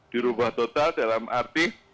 dirubah total dalam arti